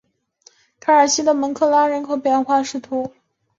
凯尔西的蒙克拉人口变化图示